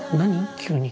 急に。